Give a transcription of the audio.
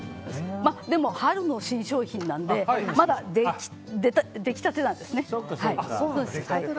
でも、春の新商品なのでまだ出来たてなんですね。